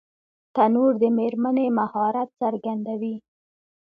تنور د مېرمنې مهارت څرګندوي